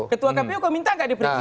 ketua kpu kau minta nggak diperiksa